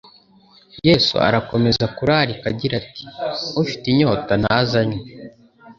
Yesu arakomeza kurarika agira ati: "Ufite inyota naze anywe."